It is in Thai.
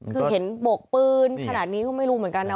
คือเห็นบกปืนขนาดนี้ก็ไม่รู้เหมือนกันนะ